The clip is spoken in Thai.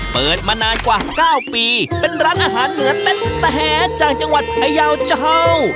เปิดมานานกว่า๙ปีเป็นร้านอาหารเหนือเต้นแต่แหจากจังหวัดพยาวเจ้า